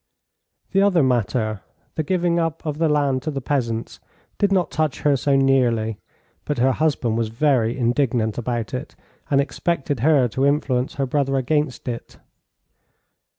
The other matter, the giving up of the land to the peasants, did not touch her so nearly, but her husband was very indignant about it, and expected her to influence her brother against it.